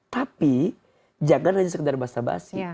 tapi jangan hanya sekedar basa basi